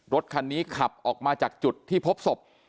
รถคันนี้ขับออกมาจากจุดที่พบศพ